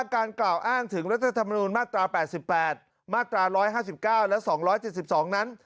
การกล่าวอ้างถึงรัฐธรรมนุนมาตรา๘๘มาตรา๑๕๙และ๒๗๒นั้น